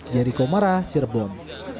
jericho marah cirebon